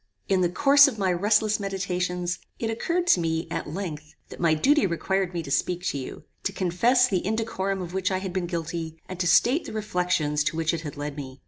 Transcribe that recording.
"In the course of my restless meditations, it occurred to me, at length, that my duty required me to speak to you, to confess the indecorum of which I had been guilty, and to state the reflections to which it had led me.